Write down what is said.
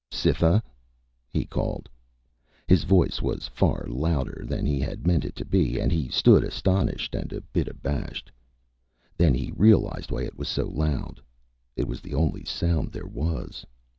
"Cytha!" he called. His voice was far louder than he had meant it to be and he stood astonished and a bit abashed. Then he realized why it was so loud. It was the only sound there was!